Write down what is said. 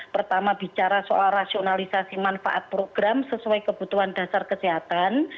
pertama bicara soal rasionalisasi manfaat program sesuai kebutuhan dasar kesehatan